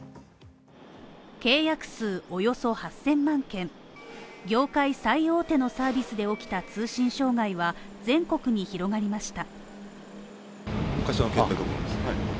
契約数およそ８０００万件、業界最大手のサービスで起きた通信障害は全国に広がりました。